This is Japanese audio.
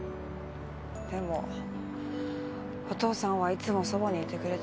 でもお父さんはいつもそばにいてくれた。